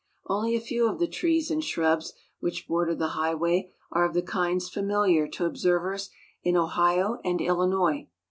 Only a few of the trees and shrubs which border the highway are of the kinds familiar to observers in Ohio and Illinois.